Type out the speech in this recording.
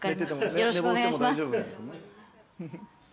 よろしくお願いします。